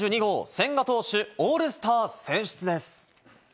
千賀投手、オールスター選出です。